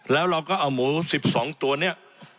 แล้วเราก็เอาหมู๑๒ตัวนี้